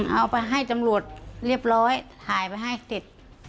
เอาไปให้ตำรวจเรียบร้อยถ่ายไปให้เสร็จ